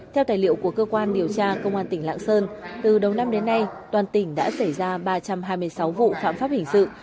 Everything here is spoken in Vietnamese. theo tài liệu của cơ quan điều tra công an tỉnh lạng sơn từ đầu năm đến nay toàn tỉnh đã xảy ra ba trăm hai mươi sáu vụ phạm pháp hình sự